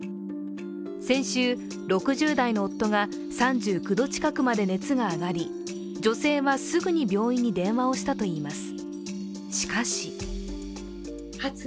先週、６０代の夫が３９度近くまで熱が上がり、女性はすぐに病院に電話をしたといいます。